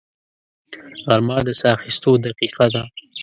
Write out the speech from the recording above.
غرمه د ساه اخیستو دقیقه ده